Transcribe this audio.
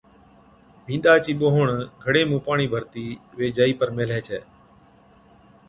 بِينڏا چِي ٻوھڻ گھَڙي مُون پاڻِي ڀرتِي وي جائِي پر ميلهي ڇَي